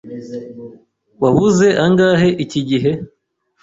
Wabuze angahe iki gihe?